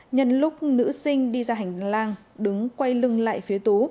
nhân lúc nữ sinh đi ra hành lang đứng quay lưng lại phía tú